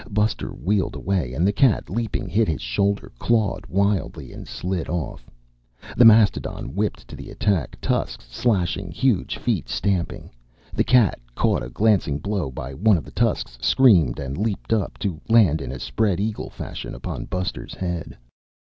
Buster wheeled away and the cat, leaping, hit his shoulder, clawed wildly and slid off. The mastodon whipped to the attack, tusks slashing, huge feet stamping. The cat, caught a glancing blow by one of the tusks, screamed and leaped up, to land in spread eagle fashion upon Buster's head.